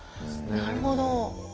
なるほど！